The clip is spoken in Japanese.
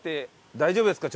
大丈夫ですか？